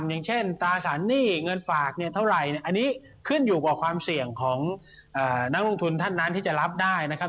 อย่างเช่นตราสารหนี้เงินฝากเนี่ยเท่าไหร่อันนี้ขึ้นอยู่กับความเสี่ยงของนักลงทุนท่านนั้นที่จะรับได้นะครับ